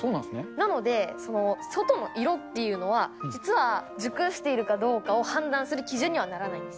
なので、その外の色っていうのは、実は熟してるかどうかを判断する基準にはならないんです。